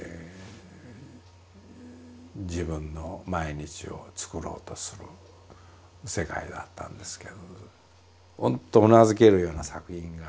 自分の毎日をつくろうとする世界だったんですけど「うん」とうなずけるような作品がね